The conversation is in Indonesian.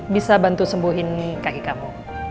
bisa bantu sembuhin kaki kamu